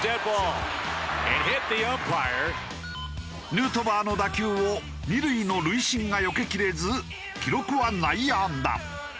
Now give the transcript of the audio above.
ヌートバーの打球を２塁の塁審がよけきれず記録は内野安打。